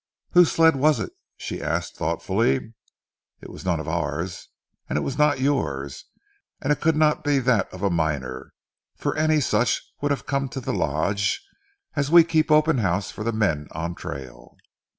"Whose sled was it?" she asked thoughtfully. "It was none of ours, and it was not yours, and it could not be that of a miner, for any such would have come to the Lodge, as we keep open house for the men on trail."